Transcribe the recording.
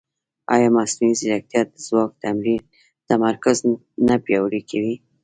ایا مصنوعي ځیرکتیا د ځواک تمرکز نه پیاوړی کوي؟